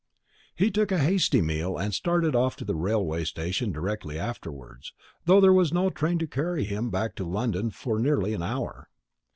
He took a hasty meal, and started off to the railway station directly afterwards, though there was no train to carry him back to London for nearly an hour.